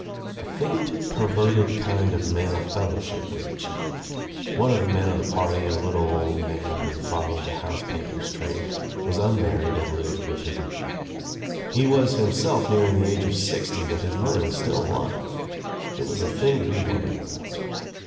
A faint perverted kind of male fellowship was achieved. One of the men of the party, a little old man who followed OUT OF NOWHERE INTO NOTHING 243 I ^Buie housepainters trade, was unmarried and lived with ^^iis mother. He was himself nearing the age of sixty but his mother was still alive. It was a thing to be wondered about.